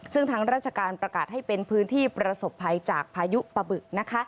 ซึ่งทางราชการประกาศให้เป็นพื้นที่ประสบภัยจากพายุปะบึกนะคะ